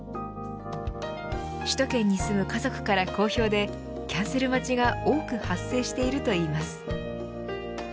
首都圏に住む家族から好評でキャンセル待ちが多く発生しているといいます。